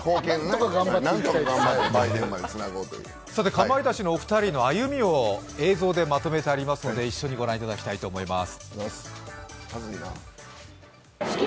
かまいたちのお二人の歩みを映像でまとめてありますのでご覧いただきたいと思います